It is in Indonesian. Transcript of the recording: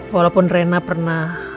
walaupun rena pernah